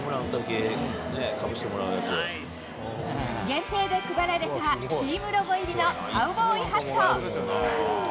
限定で配られたチームロゴ入りのカウボーイハット。